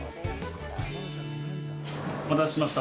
お待たせしました。